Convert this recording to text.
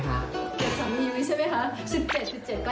มัดทวงสามีอ่ะค่ะ